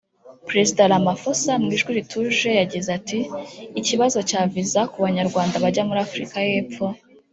Perezida Ramaphosa mu ijwi rituje yagize ati “Ikibazo cya viza ku Banyarwanda bajya muri Afurika y’Epfo